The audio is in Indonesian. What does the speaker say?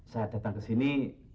saya datang kesini